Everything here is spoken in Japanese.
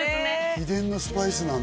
秘伝のスパイスなんだ